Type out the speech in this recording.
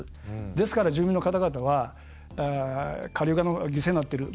ですから、住民の方々は下流側の犠牲になっている。